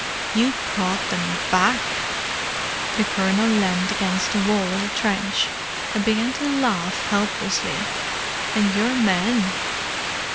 "You brought them back!" The Colonel leaned against the wall of the trench and began to laugh helplessly. "And your men?"